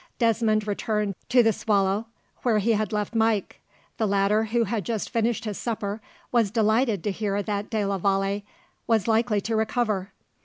Desmond returned to the Soleil, where he had left Mike. The latter, who had just finished his supper, was delighted to hear that de la Vallee was likely to recover.